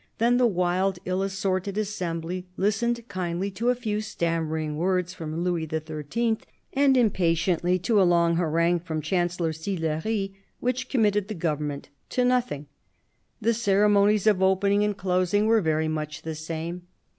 Then the wild, ill assorted assembly listened kindly to a few stammering words from Louis XIII., and impatiently to a long harangue from Chancellor Sillery, which committed the Government to nothing. The ceremonies of opening and closing were very much the same.